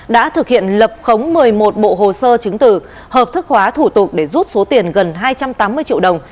đã thực hiện lập khống một mươi một bộ hồ sơ chứng tử hợp thức hóa thủ tục để rút số tiền gần hai trăm tám mươi triệu đồng